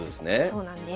そうなんです。